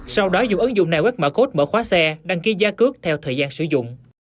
sau đó dùng ứng dụng này quét mở code mở khóa xe đăng ký gia cước theo thời gian sử dụng